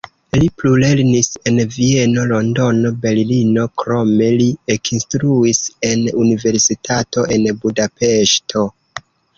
Li plulernis en Vieno, Londono Berlino, krome li ekinstruis en universitato en Budapeŝto.